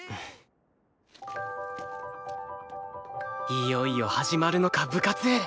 いよいよ始まるのか部活！